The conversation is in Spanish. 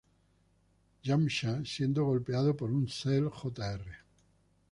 Yamcha siendo golpeado por un Cell Jr.